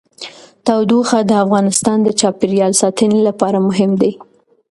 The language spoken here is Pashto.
تودوخه د افغانستان د چاپیریال ساتنې لپاره مهم دي.